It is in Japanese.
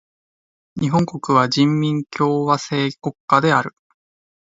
日本国は人民共和制国家である。